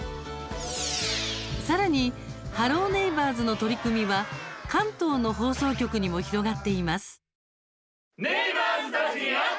さらに「ハロー！ネイバーズ」の取り組みは関東の放送局にも広がっています。